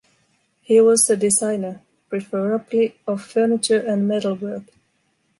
He was a designer, preferably of furniture and metalwork.